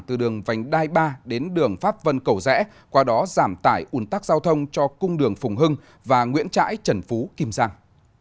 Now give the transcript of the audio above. từ đường vành đai ba đến đường pháp vân cầu rẽ qua đó giảm tải un tắc giao thông cho cung đường phùng hưng và nguyễn trãi trần phú kim giang